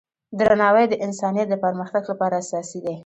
درناوی د انسانیت د پرمختګ لپاره اساسي دی.